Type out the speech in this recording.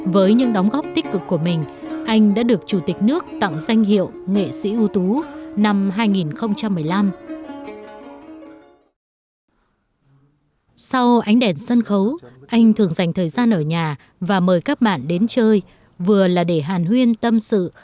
với những đóng góp tích cực của mình anh đã được chủ tịch nước tặng danh hiệu nghệ sĩ ưu tú